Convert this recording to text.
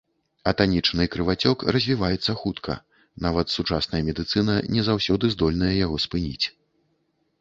Атанічны крывацёк развіваецца хутка, нават сучасная медыцына не заўсёды здольная яго спыніць.